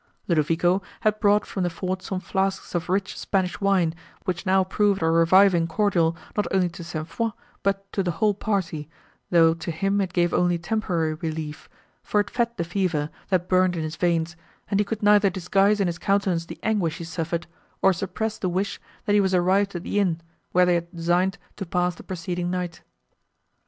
Ludovico had brought from the fort some flasks of rich Spanish wine, which now proved a reviving cordial not only to St. Foix but to the whole party, though to him it gave only temporary relief, for it fed the fever, that burned in his veins, and he could neither disguise in his countenance the anguish he suffered, nor suppress the wish, that he was arrived at the inn, where they had designed to pass the preceding night.